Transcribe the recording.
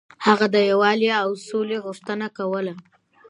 هغه د یووالي او سولې غوښتنه کوله.